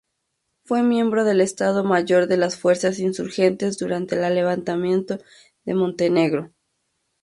Fue miembro del Estado Mayor de las fuerzas insurgentes durante la Levantamiento de Montenegro.